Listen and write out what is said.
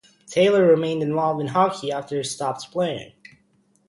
Taylor remained involved in hockey after he stopped playing.